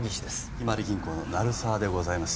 ひまわり銀行の成沢でございます